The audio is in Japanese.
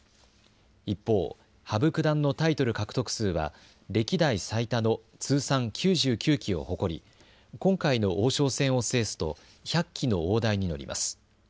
一方、羽生九段のタイトル獲得数は歴代最多の通算９９期を誇り今回の王将戦を制すと１００期の大台に乗ります。